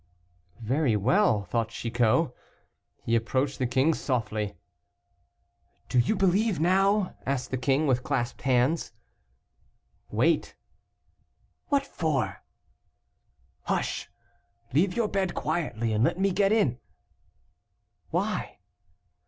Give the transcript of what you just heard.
"Very well said," thought Chicot. He approached the king softly. "Do you believe now?" asked the king, with clasped hands. "Wait." "What for?" "Hush! leave your bed quietly, and let me get in." "Why?"